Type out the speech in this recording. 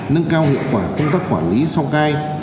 nâng cao hiệu quả công tác quản lý sau cai